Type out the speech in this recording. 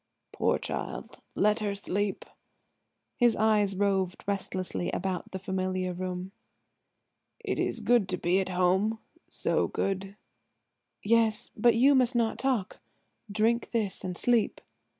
"Poor child; let her sleep." His eyes roved restlessly about the familiar room. "It is good to be at home–so good." "Yes–but you must not talk. Drink this and sleep."